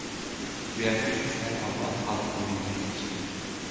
• Suyakni yutishdan avval halqumingni tekshir.